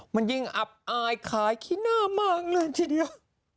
มันยิ่งอับอายขายขี้หน้ามากเลยทีเดียว